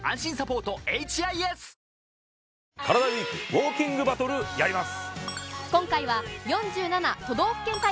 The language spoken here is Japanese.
ＷＥＥＫウオーキングバトルやります。